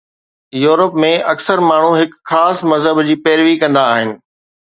Europe ۾ اڪثر ماڻهو هڪ خاص مذهب جي پيروي ڪندا آهن.